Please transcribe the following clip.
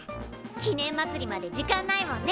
記念まつりまで時間ないもんね。